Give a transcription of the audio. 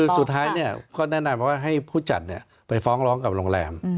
สุดท้ายก็แนะนำว่าให้ผู้จัดไปฟ้องร้องกับโรงแรม